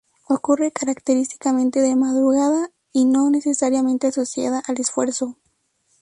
Ocurre característicamente de madrugada y no necesariamente asociada al esfuerzo.